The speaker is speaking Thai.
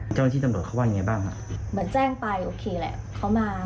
เจ้าหน้าที่ตำรวจเขาว่าอย่างเงี้ยบ้างแบบแจ้งไปโอเคแหละเขามา